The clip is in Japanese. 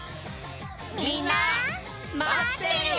みんなまってるよ！